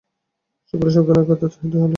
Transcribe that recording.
সকলেই সাবধানে কথা কহিতে লাগিল।